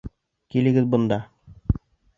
Килегеҙ бында.